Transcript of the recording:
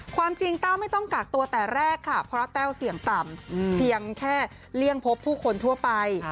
แต่แรกค่ะเพราะว่าแต้วเสี่ยงต่ำเพียงแค่เลี่ยงพบผู้คนทั่วไป